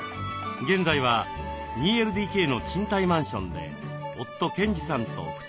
現在は２ＬＤＫの賃貸マンションで夫・賢治さんと２人暮らし。